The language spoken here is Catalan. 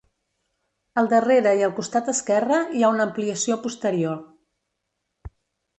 Al darrere i al costat esquerre hi ha una ampliació posterior.